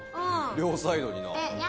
両サイドにな。